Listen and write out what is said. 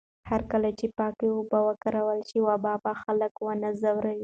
هرکله چې پاکې اوبه وکارول شي، وبا به خلک ونه ځوروي.